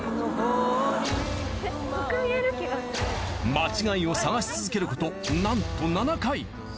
間違いを探し続けることなんと７回。